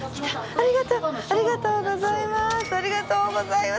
ありがとうございます。